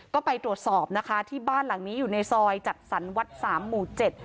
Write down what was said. ก็ไปตรวจสอบนะคะที่บ้านหลังนี้อยู่ในซอยจัดสรรวัดสามหมู่เจ็ด